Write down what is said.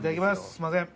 すいません